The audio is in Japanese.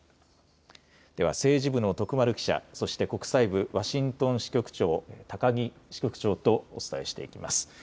では政治部の徳丸記者、そして国際部、ワシントン支局長、高木支局長とお伝えしていきます。